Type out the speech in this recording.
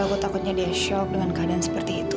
aku takutnya dia shock dengan keadaan seperti itu